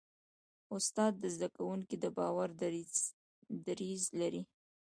استاد د زده کوونکي د باور دریځ لري.